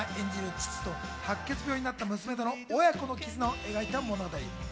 父と白血病になった娘との親子の絆を描いた物語。